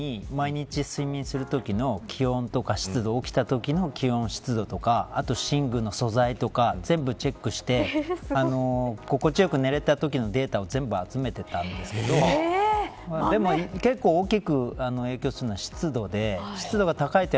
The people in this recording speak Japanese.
学生時代に毎日睡眠するときの気温、湿度起きたとき気温、湿度とか寝具の素材とか全部チェックして心地よく寝れたときのデータを全部集めていたんですけど結構、大きく影響するのは湿度で湿度が高いと